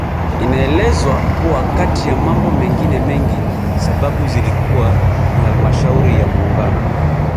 Inaelezwa kuwa kati ya mambo mengine mengi sababu zilikuwa ni Halmashauri ya muungano